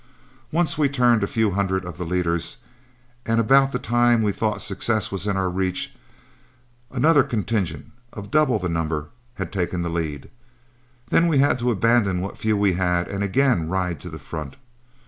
Once we turned a few hundred of the leaders, and about the time we thought success was in reach, another contingent of double the number had taken the lead; then we had to abandon what few we had, and again ride to the front.